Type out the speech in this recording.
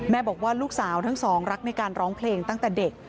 บอกว่าลูกสาวทั้งสองรักในการร้องเพลงตั้งแต่เด็ก